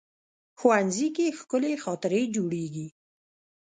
ښوونځی کې ښکلي خاطرې جوړېږي